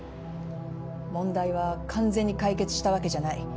問題は完全に解決したわけじゃない。